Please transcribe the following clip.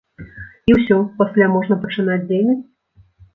І ўсё, пасля можна пачынаць дзейнасць?